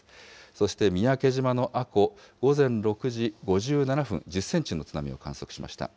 そして、三宅島の阿古、午前６時５７分、１０センチの津波を観測しました。